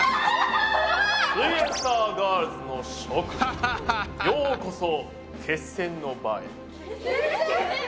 すイエんサーガールズの諸君ようこそ決戦の場へ。